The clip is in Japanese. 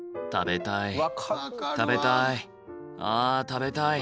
食べたい。